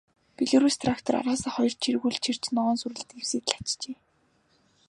Белорусс трактор араасаа хоёр чиргүүл чирч, ногоон сүрэл нэвсийтэл ачжээ.